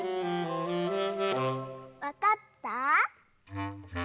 わかった？